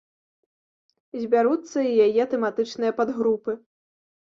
Збяруцца і яе тэматычныя падгрупы.